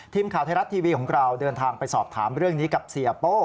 ทีมข่าวไทยรัฐทีวีของเราเดินทางไปสอบถามเรื่องนี้กับเสียโป้